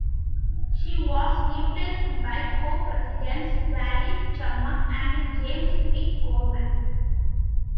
She was replaced by co-presidents Walid Chammah and James P. Gorman.